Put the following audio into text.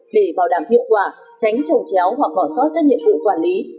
để bảo đảm hiệu quả tránh trồng chéo hoặc bỏ sót các nhiệm vụ quản lý